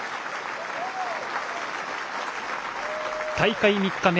大会３日目。